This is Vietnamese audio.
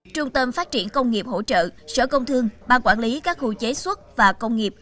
trung tâm phát triển công nghiệp hỗ trợ sở công thương ban quản lý các khu chế xuất và công nghiệp